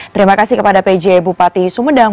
terima kasih kepada pj bupati sumedang